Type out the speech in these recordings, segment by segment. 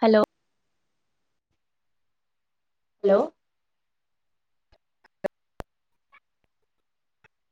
Hello hello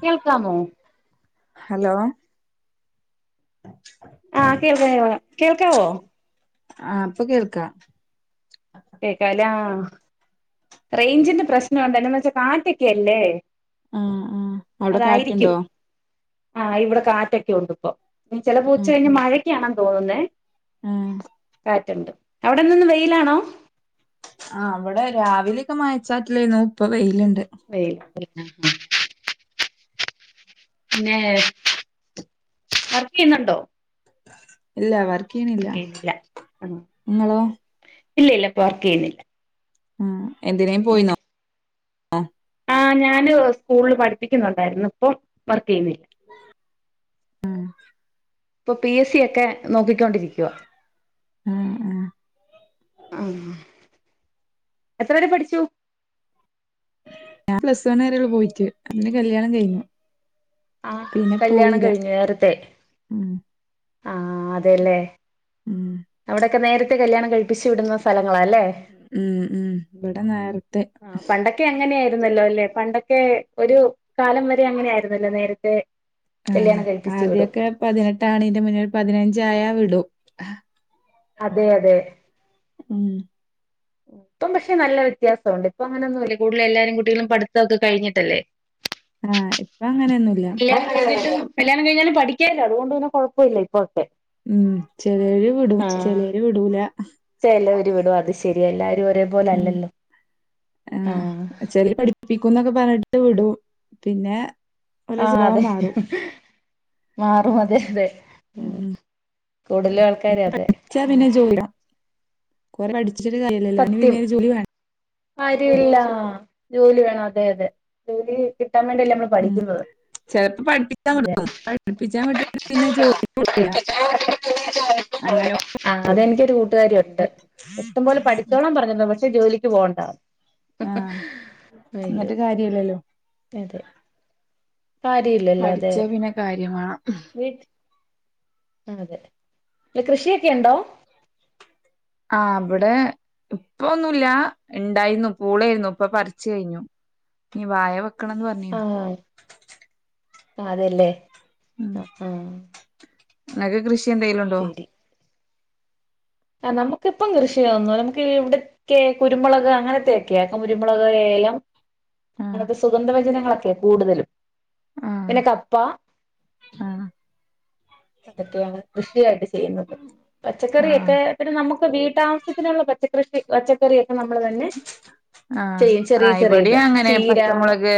കേൾക്കാമോ hello ആഹ് കേൾക്കാ കേൾക്കാം കേൾക്കാവോ ആഹ് ഇപ്പ കേൾക്കാ കേക്കാലാ റേഞ്ചിന്റെ പ്രശ്നം ഒണ്ട് എന്നാന്ന് വെച്ചാ കാറ്റൊക്കെല്ലേ ആഹ ആഹ അവിടെ കാറ്റ്ുണ്ടോ ആ് ഇവിടെ കാറ്റൊക്കെ ഉണ്ട് ഇപ്പൊ ഇനി ചില ആ പൂച്ച കഴിഞ്ഞ മഴക്കാണ് തോന്നുന്ന ആ കാറ്റുണ്ട് എവിടെന്നന്ന് വെയിലാണോ ആ അവിടെ രാവിലെയൊക്കെ മായച്ചാട്ടിലായിരുന്നുോ ഇപ്പ വെയിലുണ്ട് വ അ മ പിന്നെ ആർക്ക് ചെയ്യുന്നുണ്ടോ ഇല്ല അവർ ില്ല വർക്ക് ചെയ്യുന്നില്ല ആഹ് നിങ്ങളോ ഇല്ല ഇല്ല ഇപ്പൊ വർക്ക് ചെയ്യുന്നില്ല ആഹ എന്തിനേയും പോയി നോ ആഹ ആ് ഞാന് സ്കൂളില് പഠിപ്പിക്കുന്നുണ്ടായിരുന്നു ഇപ്പം വർക്ക് ചെയ്യുന്നില്ല ആഹ ഇപ്പൊ പി എസ് സി ഒക്കെ നോക്കിക്കൊണ്ടിരിക്കുവ ഉഹ ഉ ആ എത്ര വരെ പഠിച്ചു ഞാൻ പ്ലസ് വൺ കരള്ള പോയിട്ട് അതിന്റെ കല്യാണം കഴിഞ്ഞു ആ പിന്നെ കല്യാണം പോയില്ല കഴിഞ്ഞു നേരത്തെേ ഉം ആഹ അതെല്ലേ ഉം അവിടൊക്കെ നേരത്തെ കല്യാണം കഴിിച്ചു വിടുന്ന സ്ഥല ഉം ഉം ഇവിടെ നേരത്തെ രുന്നല്ലോ അല്ലെ പണ്ടൊക്കെ ഒരു കാലം വരെ അങ്ങനെ ആയിരുന്നല്ലോ നേരത്തെ ആ കല്യാണം കഴിപ്പിച്ചു വിടും ആദ്യൊക്കെ പതിനെട്ടാണ് ഇന്റെ മുന്നിൽ പതിനഞ്ച് ജായ വിടൂ അതെ അതെ ഉം ഇപ്പം പക്ഷെ നല്ല വ്യത്യാസമുണ്ട് ഇപ്പൊ അങ്ങനൊന്നുമല്ലേ കൂടുതൽ എല്ലാരും കുട്ടികളും പഠിത്തംതോക്കെ കഴിഞ്ഞിട്ടല്ലേ ആഹ ഇപ്പ അങ്ങനെയൊന്നുമല്ല കല്യാണം കഴിഞ്ഞിട്ടും കല്യാണം കഴിഞ്ഞാലും പഠിക്കില്ല അതുകൊണ്ട്ന്നെഴപ്പമില്ല ഇപ്പൊക്കെ ഉം ചിലര് വിടും ചിലര് വിടൂല എല്ലാവരും വിടും അത് ശെരി എല്ലാവരും ഒേ ഉം പോോലല്ലല്ലോ ആഹ കുമെന്നെ പറഞ്ഞിടെ വിടും പിന്നെ ഓലെ ആ സ്വഭാവം അതെ മാറും മാറും [unintelligible] [unintelligible] ഉം കൂടുതൽ ആൾക്കാരെ അതെ കൊറേ പഠി പഠിച്ചിട്ട് കാര്യല്ലല്ലോ അതിന് പിന്നെ ഒരു ജോലി വേ കാര്യല്ല ജോലി വേണം അതെ അതെ ജോലി കിട്ടി കിട്ടാൻ വേണ്ടിഅല്ലെ നമ്മൾ ഉം പഠിക്കുന്നത് ചെലപ്പോ പഠിപ്പിച്ചാൻ വിടും പഠിപ്പിച്ചാൻ വിട്ടിട്ട് പിന്നെ ജോലിക്ക് വിടൂല അങ്ങനെ അത് എനിക്ക് ഒരു കൂട്ടുകാരിഉണ്ട് ഇഷ്ടം പോലെ പഠി ച്ചോളാൻ പറഞ്ഞതാ പക്ഷേ ജോലി പോവണ്ട ആഹ് എന്നിട്ട് കാര്യല്ലല്ലോ അതെ പഠിച്ചാ പിന്നെ കാര്യം വേണം. വിട്ട് ആ അതെ കൃഷി ഒക്കെ ഉണ്ടോ ആ അവിടെ ഇപ്പ ഒന്നുല്ല ഇണ്ടായിരുന്നു പുള്ളേയിരുന്നു ഇപ്പം പറിച്ചു കയിഞ്ഞു ഇനി വാഴ വെക്ക് ക്കണെന്ന് ആ പറഞ്ഞീന്നാ അതെല്ലേ ആ ആ നാഴാ കൃഷി എന്തേലും ഉണ്ടോ ശരി നമുക്കിപ്പം കൃഷി ഒന്നുല്ല നമുക്ക്ഇവിടകെ കുരുമുളക് അങ്ങതൊക്കെ കുരുമുളക് എലാം ആഹ് അങ്ങനത്തെ സുഗന്ധ വ്യഞ്ജന അതൊക്കെ കൂടുതലും ആഹ് പിന്നെ കപ്പ ആഹ് ഇതൊക്കെ ആണ് കൃഷി ആയിട്ട് ചെയ്യുന്നത്, പച്ചക്കറി ആഹ് നമുക്ക് വീട്ടാവശ്യത്തിനുള്ള പച്ചക്കറി പച്ചക്കറിഒക്കെ നമ്മൾ തന്നെ ആഹ് ചെയ്യും ആ ചെറിയ ചെറിയത് ഇവിടെയും അങ്ങനെ ചീര പച്ചമുളക്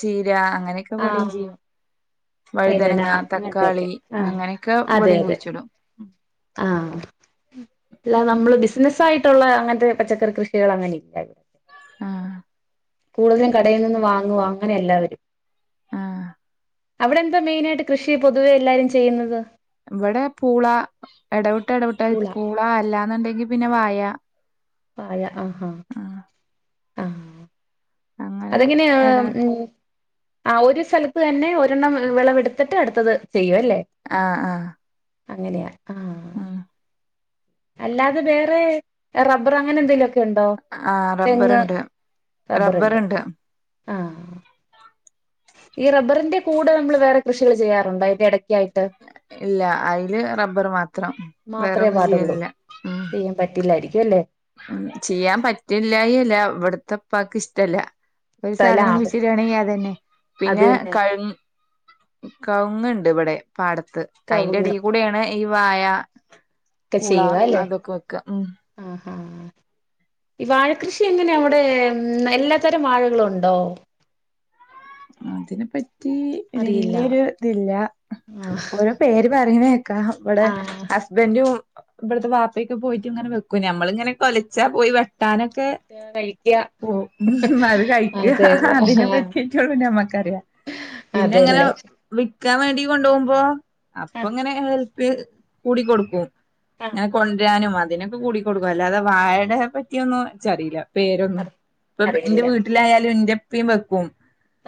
ചീര അങ്ങനൊക്കെ ഇവിടേം ചെയ്യും. വേദന വഴുതനങ്ങ അങ്ങൻത്തൊക്കെ തക്കാളി ആഹ് അങ്ങനെയൊക്കെ അതെ ഇവിടെയും അതെ, കുഴിച്ചിടും ആഹ് അല്ല നമ്മള് ബിസിനസ് ആയി ട്ടുള്ള അങ്ങൻത്തെ പച്ചക്കറി കൃഷികള് അങ്ങനെ ഇല്ലാ ഇവിടത്തെ ആഹ് കൂടുതൽ കടയി നിന്നും വങ്ങുവാ അങ്ങനെ എല്ലാവരും ആഹ് അവിടെ എന്താ മെയിൻ ആയിട്ട് കൃഷി പൊതുവേ എല്ലാവരും ചെയ്യുന്നത് ഇവടെ പൂള എടവിട്ട് എടവിട്ട് പൂള അല്ലാന്നുണ്ടെങ്കിൽ പിന്നെ വായ വായ ആ ആ ആഹ് ആഹ അങ്ങനെ അതെങ്ങെനെയാ എട ഉം. ആ ഒരു സെലത്ത് തന്നെ ഒരെണ്ണം വെളവെട്ത്തിട്ട് അടുത്തത്. ചെയ്യും അല്ലേ ആഹ ആഹ അങ്ങനെയാ. ആഹ് ആഹ അല്ലാതെ വേറെ റബ്ബർ അങ്ങനെ എന്തെലുംക്കെ ആഹ റബ്ബറ്ണ്ട് റബ്ബറ്ണ്ട്. ആഹ ഈ റബ്ബറിന്റെ കൂടെ നമ്മള് വേറെ കൃഷികൾ ചെയ്യാറുണ്ടോ അയിന്റെ എട ഇല്ല അയില് റബ്ബറ് മാത്രം മാത്രമേ വേറൊന്നും ചെയ്യലില്ല. കേല്ലെ ഉം ചെയ്യാ പറ്റല്ലായി അല്ല ഇവിട ത്ത പ്പാക്ക് ഇഷ്ടല്ല. ഒരു സ്ഥലം സാധനം കുടിച്ചിട്ടണെങ്കിൽ അതന്നെ അത് പിന്നെ തന്നെ കഴുങ്ങ് കവുങ്ങണ്ട് ഇവിടെ പാടത്ത് കവുങ്ങ് അതിന്റെടയിൽ കൂടെയാണ് ഈ വായ ഒക്കെ ഉള അതൊക്കെ വെക്കാ ഉം ആ ഈ വാഴക്കൃഷി എങ്ങനെ അവിടെ എല്ലാ തരം വാഴകളുണ്ടോ അതിനെപ്പ റ്റി വല്യൊരു ഇതില്ലാ ആഹ് ഓരോ പേര് പറയുന്നേ കേക്കാം ഇവിടെ ആഹ് ഹസ്ബൻ്റും ഇവിടത്തെ വാപ്പൊക്കെ പോയിട്ട് ഇങ്ങനെ വെക്കൂ നമ്മളിങ്ങനെ കൊലച്ചാ പോയി വെ ട്ടാനൊക്കെ കഴിക്കുക പോവും അത് കഴിക്കുക അതെ അതിനെ പറ്റി റ്റൊ നമ്മക്കറിയാം പിന്നെ അങ്ങനെ അതെല്ലേ വി ക്കാൻ വേണ്ടീ കൊണ്ടുപോകുമ്പോ അപ്പൊ ആഹ് ഇങ്ങനെ പി കൂടിക്കൊടുക്കും ആഹ് ഇങ്ങനെ കൊണ്ടുവരാനും അതിനും കൂടിക്കൊടുക്കും അല്ലാതെ വായേട പറ്റിന്നും എനിച്ചറിയില്ല പേരൊന്നും ഇപ്പൊ എന്റെ അറിയില്ല വീട്ടിലായാലും എന്റെ പ്പിം വെക്കും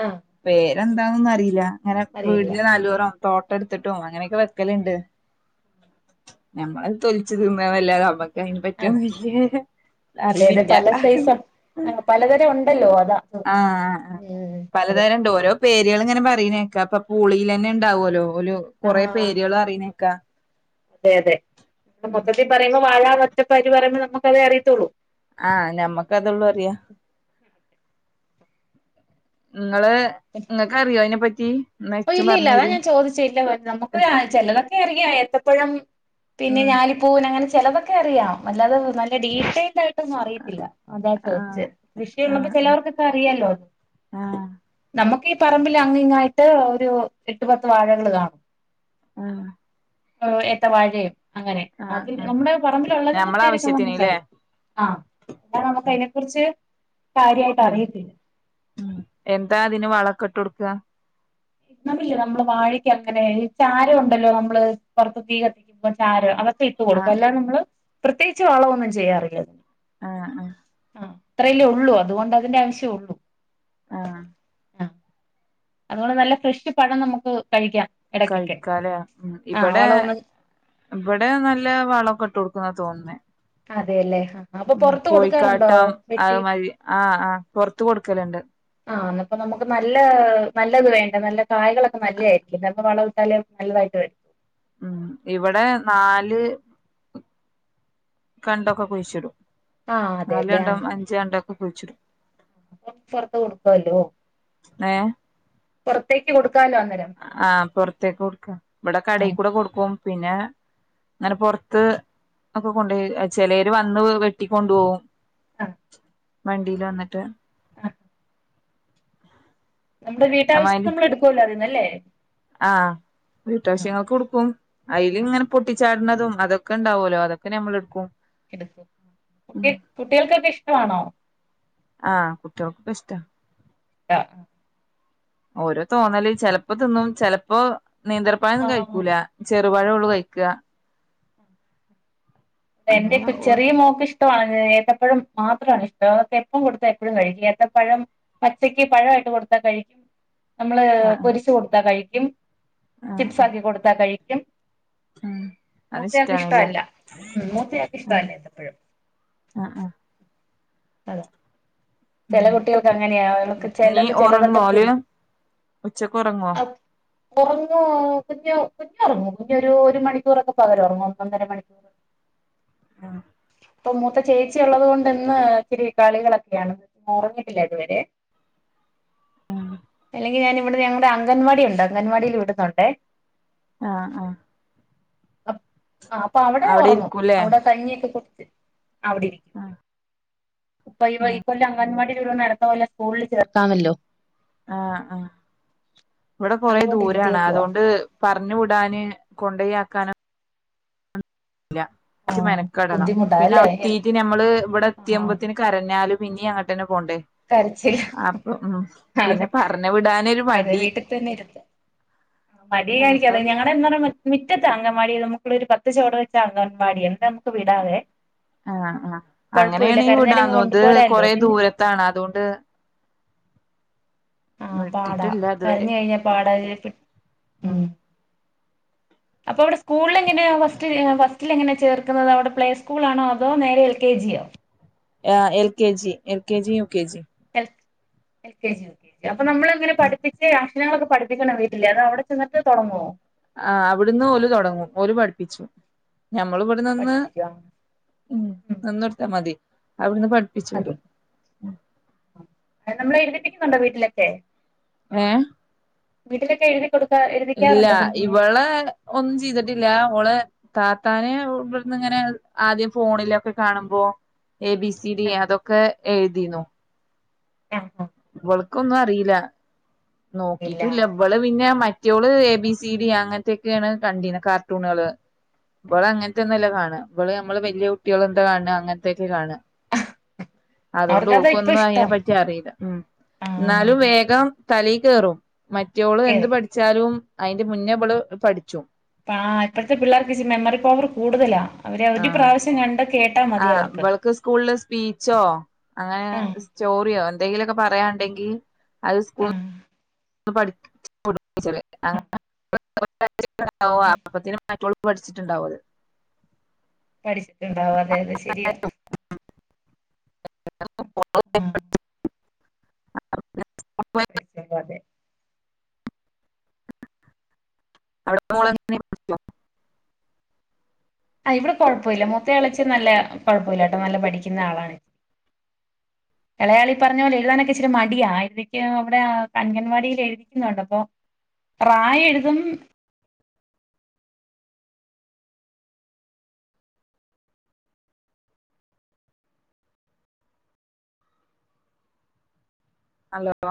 ആഹ് പേ എന്താനൊന്നും അറീലാ ങ്ങനെ അറിയില്ല വീടിന്റെ നല്ലൊരാ തോട്ടം ഇട്ത്ത്ട്ടും അങ്ങനെയൊക്കെ വെക്കൽ ഇണ്ട് ഞമ്മൾ അത് തൊലിച്ച് തിന്നാന്ന് അല്ലാതെ ആ അതേതെ അറിവില്ല പല സൈസാ ആ പലതരം ഉണ്ടല്ലോ അതാ അതെ പലതരമണ്ട് ഓരോ പേര പേരിയൾ ഇങ്ങനെ പറിണേ കേക്ക ഇപ്പോ പൂളേലെന്നെ ഉണ്ടാവോല്ലോ. ഒരു കൊറെ ആഹ് പേരുകൾ പറിണേക്ക അതെ അതെ മൊത്തത്തിൽ പറയിമ്പോ വാഴ [unintelligible] പറയുമ്പോ നമ്മക്ക് അതെ അറിയത്തൊള്ളു ആഹ ഞമ്മക് അതെള്ളൂ അറിയാ ഇങ്ങള് ഇങ്ങക്കറിയോ അ യിനെപ്പറ്റി ഓ ഇല്ല ഇല്ല അതാ ഞാൻ ചോദിച്ചെ ഇല്ല നമുക്ക് ആ ചെലത് ഒക്കെ അറിയാം ഇനി ആ ഏത്തപ്പഴം പിന്നെ ആഹ് ഞാലിപ്പൂവൻ അങ്ങനെ ചെലതൊക്കെ അറിയാ അല്ലാതെ നല്ല ഡീറ്റെൽഡ് ആയിട്ടൊന്നും അറിയത്തില്ല അതാ ഞാൻ ചോയിച്ചെ ആഹ് കൃഷി ഉള്ളപ്പോ ആഹ് ചെലവർക്കൊക്കെ അറിയല്ലോ ആഹ് നമു ഈ പറമ്പിൽ അങ്ങി ഇങ്ങയി ട്ട് ഒരു എട്ട് പത്ത് വാഴകൾ കാണും ആ ഹ ഏത്ത വാഴേ അങ്ങനെ അത് ആഹ് നമ്മുടെ പറമ്പിലു ഉള്ളതിന്റെ ഞമ്മളെ പേര് ഒക്കെ നമുക്ക് ആവശ്യത്തിന്ല്ലേ തിരിച്ചറിം ആ എന്ന നമുക്ക് അയിനെ കുറിച്ച് കാര്യായിട്ട് അറിയത്തില്ല എന്താ അതിന് വളൊക്കെ ഇട്ടൊട് ത്ത നമ്മൾ ഇല്ലേ നമ്മള് വാഴക്ക് ഒക അങ്ങനെ ചാരം ഉണ്ടല്ലോ നമ്മള് പൊറത്ത് തീ കത്തിക്കുമ്പോള്ള ചാരം അവ ഇട്ട കൊടുക്കും ആഹ് അല്ല നമ്മള് പ്രത്യേകിച്ച് വളവൊന്നും ചെയ്യാറില്ല അത് ആ ആ ആ അത്രല്ലേ ഉള്ളൂ അതുകൊണ്ട് അതിന്റെ ആവശ്യംള്ളൂ ആ അതുകൊണ്ട് നല്ല ഫ്രഷ് പഴം നമുക്ക് കഴിക്കാം ഇടയ്ക്കൊക്കെ കഴിക്കാലെ ആഹ് ഇബടെ വളവൊന്നും ഇബടെ നല്ല വളൊക്കെ ഇട്ട് കൊട്ക്കും ന്നാ തോന്നുന്നെ അതേല്ലേ കോയിക്കാട്ടം അയ്മാരി ആ ആ പൊറത്തെ കൊടുക്കലണ്ട് ആ എന്നപ്പം നമുക്ക് നല്ല നല്ലത് വേണ്ട നല്ല കായകളൊക്കെ നല്ലതായിരിക്കും നല്ല വളം ഇട്ടാലേ നല്ലതായിട്ട് വരും ഉം ഇവിടെ നാല് കണ്ടൊക്കെ കുഴിച്ചിടും ആ നാല് അതെല്യാ ആ കണ്ടം [unintelligible] പുറത്ത് കൊടുക്കുവല്ലോ ഏ പുറത്തേക്ക് കൊടു ആ പൊറത്തേക്ക് കൊടുക്കാം ഇവിടെ ആഹ് കടയിക്കൂടെ കൊടുക്കും പിന്നെ അങ്ങനെ പുറത്ത് ഒക്കെ കൊണ്ടു ചിലര് വന്ന് വെട്ടിക്കൊണ്ടെ പോകും ആ വണ്ടീൽ വന്നിട്ട് ആ നമ്മുടെ വീട്ടാവശ്യത്തിനെ അമാതിരി നമ്മളെ ടുക്കൂല്ലതെ നല്ലേ ആ വീട്ടാശ്യങ്ങൾക്ക് കൊടുക്കും അയിലിങ്ങനെ പൊട്ടി ചാടന്നതും അതൊക്കെ ഉണ്ടാവുമല്ലോ അതൊക്കെ ഞമ്മളെടുക്കും എടുക്കും കുട്ടി കുട്ടികൾക്കൊക്കെ ഇഷ്ട്ടാവണോ ആ കുട്ട്യോൾക്ക് ഇഷ്ട്ടാ [unintelligible] ഓരോ തോന്നല് ചെലപ്പോ തിന്നും ചെലപ്പോ നേന്ത്രപ്പയോംന്നും കഴിക്കൂല ചെർ [unintelligible] അത അങ്ങനെ എന്റെയിപ്പാ ഓ ചെറിയ മോക്ക് ഇഷ്ട ഏ ഏത്തപ്പഴം മാത്രമാണ് ഇഷ്ടം അവൾക്ക് എപ്പം കൊടുത്താ എപ്പഴും കഴിക്കും ഏത്തപ്പഴം പച്ചക്ക് പഴാ യിട്ട് കൊടുത്താൽ കഴിക്കും നമ്മള് ആ പൊരിച്ചു കൊടുത്താ കഴി [unintelligible] ആ ആ ആ ചിപ്സാക്കി കൊടുത്താ കഴി എം [unintelligible] അത് മുട്ടയാവൾക്ക് ഇഷ്ടാണല്ലേ ഇഷ്ടല്ല ഉ ആഹ് മൂത്തയാക്കിഷ്ടാല്ലേ ഏത്തപ്പഴം ആഹ് ആഹ് അതെ ചെല ഉം കുട്ടികൾക്ക് അങ്ങനെയാ അവർക്ക് നീ ചെലത് ഒറങ്ങോ ചെലതൊക്കെ ഓല് പിടിക് ഉച്ചക്ക് ഒറങ്ങോ ഉറങ്ങുവാ കുഞ്ഞ് കുഞ്ഞ് ഉറങ്ങും കുഞ്ഞ് ഒരു മണിക്കൂറൊക്കെ പകല് ഒറങ്ങും ഒന്നൊന്നര മണിക്കൂർ ആഹ് ഇപ്പൊ മൂത്ത ചേച്ചി ഉള്ളത് കൊണ്ട്ന്ന് ഇത്തിരി കളികളൊക്കെയാണ് ഒറങ്ങിട്ടില്ല ഇതുവരെ ആഹ് അല്ലെങ്കി ഞാൻ ഇവിടെ ഞങ്ങളടെ അംഗൻവാടി ഉണ്ട് അംഗൻവാടിയിൽ വിടുന്നുണ്ടെ ആഹ് ആഹ് അപ് ആ അപ്പൊ അവിടെ ഒറങ്ങും അവിടെ കഞ്ഞിയൊക്കെ കുടിച്ച് അവിടെ ഇരിക്കും ആഹ് ഇപ്പൊ ഇ വൈ ഈ കൊല്ലം അംഗൻവാടിയിൽ [unintelligible] കൊല്ലം സ്കൂളിൽ ചേർത്താമല്ലോ ആഹ് ആ ഇവിടെ കൊറെ അതുകൊണ്ട് ദൂരാണ് ഇരുത്തിയേക്കുവാ അതുകൊണ്ട് പർഞ്ഞു വിടാന് കൊണ്ടോയാക്കാനും ഇല്ല ആ പക്ഷേ മെനക്കടണം ബുദ്ധിമുട്ടാ പിന്നെ അല്ലേ വ്ടെ എത്തീട്ട് നമ്മള് ഇവിടെ എത്തിയ്മ്പത്തിന് കരഞ്ഞാലും പിന്ന്യഅങ്ങട്ടന്നെ കരച്ചില് അതെ പിന്നെ പറഞ്ഞു വിടാനൊരു അതെ മടി വീട്ടിൽ തന്നെ ഇരുത്ത് അപ്പൊ മടിയായിരിക്കാണ് പിന്നെ ഞങ്ങടെ എന്താന്ന്‌ മിറ്റത്ത അങ്ങൻവാടി നമുക്കിവിടൊരു പത്ത് ചൊവടു വെച്ച അങ്ങൻവാടി എന്താ ആഹ് ആഹ് അങ്ങനേണ കുഴപ്പമില്ല കരഞ്ഞാലിങ്ങ് വിടാന്നൊ ത് കൊണ്ടുപോരാല്ലോ കൊറെ പിന്നെ ദൂരത്താണ് അതോണ്ട് ണ്ട് ആഹ് പാടാ വിട്ടിട്ടില്ല ഇതുവരെ കരഞ്ഞ് കഴിഞ്ഞാ പാടാത് ഉം അപ്പൊ ഇവിടെ സ്കൂളിൽ [unintelligible] എങ്ങനെയാ ഫസ്റ്റ് ഫസ്റ്റിൽ എങ്ങനെ ചേർക്ക്ന്നത് അവിടെ പ്ലേ സ്കൂൾ ആണോ അതോ നേരെ എൽ കെ ജിയോ ആഹ് L K G L K ജിം യു കെ ജിം എൽ കെ ജി അപ്പൊ നമ്മള്ങ്ങനെ ഉം പഠിപ്പിച്ചേയാ പ്രശ്നങ്ങളൊക്കെ പഠിപ്പിക്ക് ണൊ വീട്ടില് അതോ അവിടെ ചെന്നിട്ട് തൊടങ്ങോ ആഹ് അവിടുന്ന് ഓലു തൊടങ്ങും ഓര് പഠി പിച്ചു ഞമ്മൾ ഇവടെ നിന്ന് പഠിപ്പിക്കുവാ ഉം നിന്നൊടുത്താ മതി അവിടുന്ന് പഠിപ്പിച്ചു മതി വിടും ണ്ടൊ വീട്ടിലൊക്കെ ഏ ഹ് വീട്ടിലെക്കെഴിതി ഇല്ല ഇവള് ഒന്നും ചിയ്തിട്ടില്ല ഓള് താത്താനെ ഇവിടുന്ന് ഇങ്ങനെ ആദ്യം ഫോണിലൊക്കെ കാണുമ്പോ എ ബിസി ഡി ആ അതൊക്കെ എഴുതിന്നൊ ഞ ഇവൾക്കൊന്നു അറീല ഇല്ല നോകീറ്റുല്ല ഇവള് പിന്നെ മ ട്ട്യോള് എ ബി സി ഡി അങ്ങൻത്തെ ക്കെണ് കണ്ടിനെ കാർട്ടൂണെള് ഇബള് അങ്ങൻത്തൊന്നും അല്ല കാണ് അ ഇവള് നമ്മള് വല്ല്യ കുട്ട്യോള് എന്താ കാണ്ണ് അങ്ങൻത്തെ ഒക്കെ കാണ അതോണ്ട് അവർക്കതാ ഇപ്പൊ ഓൾകൊന്നും അയിനെ ഇഷ്ടം പറ്റി അറീല. ഉം ആ ന്നാലും വേഗം തലേ കേറും മറ്റോള് എന്തു പഠിച്ചാലും അയിന്റെ മുന്നേ വള് പഠിച്ചും ആ ഇപ്പത്തെ പിള്ളേർക്ക് ഇച്ചി മെമ്മറി പവർ കൂടുതലാ. അവര് ഒരു പ്രാവശ്യം കണ്ട് കേ അ ഇവൾക്ക് സ്കൂള് സ്പീച്ചോ അങ്ങനെ ആ സ്റ്റോറിയോ എന്തെങ്കിലും ഒക്കെ പറയാണ്ടെങ്കി അത് ആ സ്കൂൾ പഠിപ്പിച് [unintelligible] ആ [unintelligible] മറ്റോൾ പഠിച്ചിട്ടുണ്ടാഉ അത് പഠിച്ചിട്ടുണ്ടാവല്ലെ അത് ശെരിയാ [inaudible] ആ [unintelligible] [unintelligible] [unintelligible] ആ ഇവിടെ കുഴപ്പം ഇല്ല മൂത്ത ആൾ ഇച്ചെ നല്ല കുഴപ്പയില്ലാട്ടോ നല്ല പഠിക്കുന്ന ആളാണ് ഇളയ ആൾ ഈ പറഞ്ഞ പോലെ എഴുതാനൊക്കെ ഇച്ചിരി മടിയാ എനിക്ക് അവിടെ അംഗൻവാടിയില് എഴുതുന്നുണ്ട് അപ്പൊ റ എഴുതും ഹലോ